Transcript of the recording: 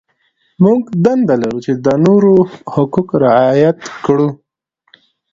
موږ دنده لرو چې د نورو حقوق رعایت کړو.